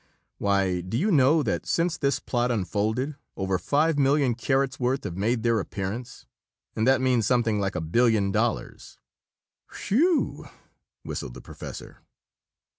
Why, do you know that since this plot unfolded, over five million carats' worth have made their appearance and that means something like a billion dollars." "Whew!" whistled the professor.